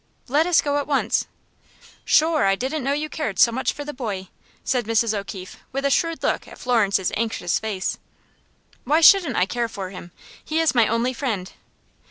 "Let us go at once." "Shure I didn't know you cared so much for the boy," said Mrs. O'Keefe, with a shrewd look at Florence's anxious face. "Why shouldn't I care for him? He is my only friend."